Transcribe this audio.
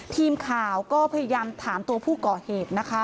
ทีมข่าวก็พยายามถามตัวผู้ก่อเหตุนะคะ